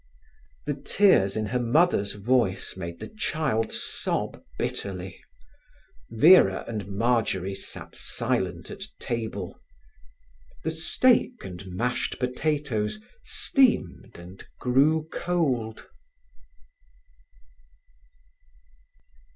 The tears in her mother's voice made the child sob bitterly. Vera and Marjory sat silent at table. The steak and mashed potatoes steamed and grew cold.